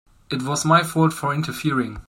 It was my fault for interfering.